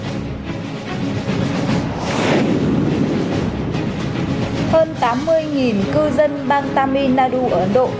hơn tám mươi cư dân bang tamil nadu ở ấn độ